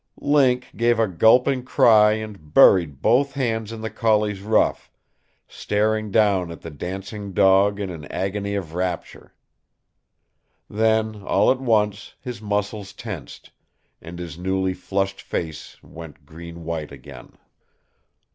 Link gave a gulping cry and buried both hands in the collie's ruff, staring down at the dancing dog in an agony of rapture. Then, all at once, his muscles tensed, and his newly flushed face went green white again.